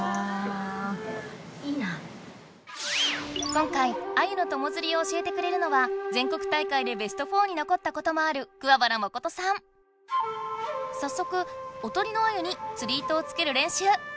今回アユの友づりを教えてくれるのは全国大会でベスト４にのこったこともあるさっそくおとりのアユにつり糸をつけるれんしゅう。